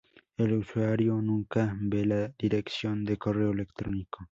El usuario nunca ve la dirección de correo electrónico.